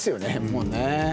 もうね。